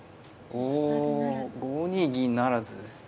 おお５二銀不成。